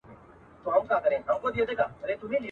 حاجي لالی تر حاجي مریم اکا په عمر زیات وو.